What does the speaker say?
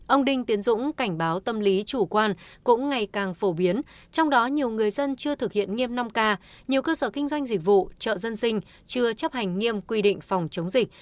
ông đinh tiến dũng cảnh báo tâm lý chủ quan cũng ngày càng phổ biến trong đó nhiều người dân chưa thực hiện nghiêm năm k nhiều cơ sở kinh doanh dịch vụ chợ dân sinh chưa chấp hành nghiêm quy định phòng chống dịch